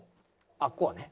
あっこはね。